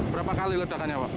berapa kali ledakannya pak